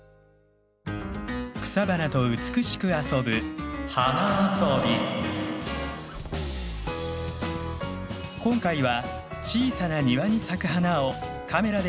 草花と美しく遊ぶ今回は小さな庭に咲く花をカメラで切り取ります。